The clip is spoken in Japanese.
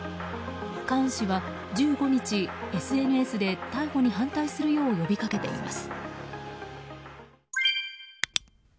カーン氏は１５日、ＳＮＳで逮捕に反対するよう呼びかけています。